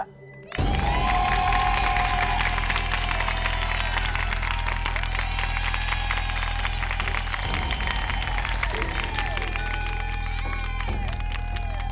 โปรดติดตามตอนต่อไป